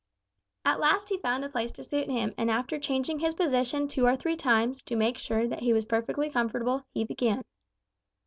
At last he found a place to suit him and after changing his position two or three times to make sure that he was perfectly comfortable, he began.